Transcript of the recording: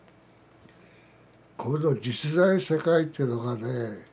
この実在世界というのがね